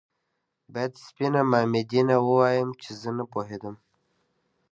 باید سپينه مامدينه ووايم چې زه نه پوهېدم